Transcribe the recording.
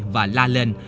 và la lên